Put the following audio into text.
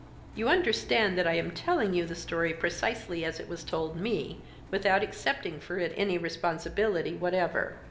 "You understand that I am telling you the story precisely as it was told me, without accepting for it any responsibility whatever.